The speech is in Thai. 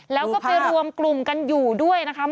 แล้วก็ไปรวมกลุ่มกันอยู่ด้วยนะคะ